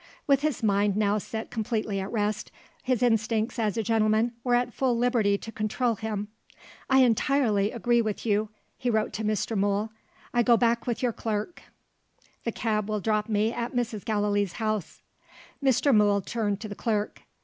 With his mind now set completely at rest, his instincts as a gentleman were at full liberty to control him. "I entirely agree with you," he wrote to Mr. Mool. "I go back with your clerk; the cab will drop me at Mrs. Gallilee's house." Mr. Mool turned to the clerk.